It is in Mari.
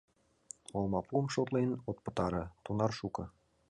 Олмапуым шотлен от пытаре, тунар шуко.